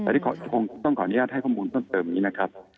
แต่ต้องขออนุญาตให้ข้อมูลต้นเติมอย่างนี้นะครับ